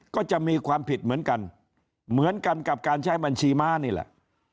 ก็จะมีความผิดเหมือนกันเหมือนกันกับการใช้บัญชีม้านี่แหละ